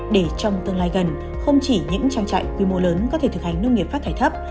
để trong tương lai gần không chỉ những trang trại quy mô lớn có thể thực hành nông nghiệp phát thải thấp